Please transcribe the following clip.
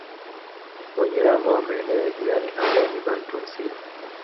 Wanyiramba wa maeneo ya jirani ambao ni Bantu asili